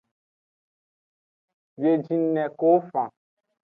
Biejene ku fan.